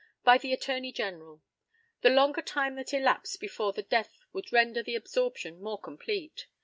By the ATTORNEY GENERAL: The longer time that elapsed before the death would render the absorption more complete.